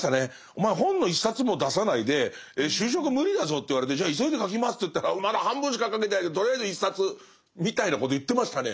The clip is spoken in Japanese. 「お前本の一冊も出さないで就職無理だぞ」って言われてじゃあ急いで書きますっていったらまだ半分しか書けてないけどとりあえず一冊みたいなこと言ってましたね。